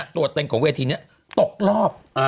ตัวเองของเวทีนี้ตกรอบ